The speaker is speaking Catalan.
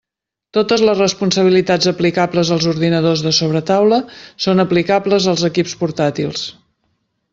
Totes les responsabilitats aplicables als ordinadors de sobretaula són aplicables als equips portàtils.